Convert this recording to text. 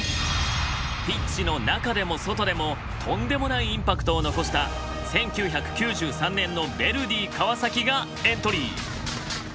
ピッチの中でも外でもとんでもないインパクトを残した１９９３年のヴェルディ川崎がエントリー。